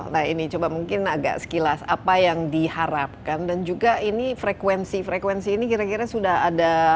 nah ini coba mungkin agak sekilas apa yang diharapkan dan juga ini frekuensi frekuensi ini kira kira sudah ada